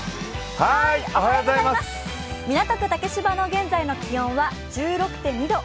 港区竹芝の現在の気温は１６．２度。